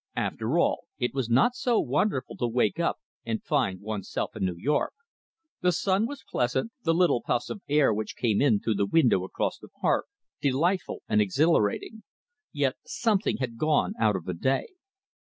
After all, it was not so wonderful to wake up and find oneself in New York. The sun was pleasant, the little puffs of air which came in through the window across the park, delightful and exhilarating, yet something had gone out of the day.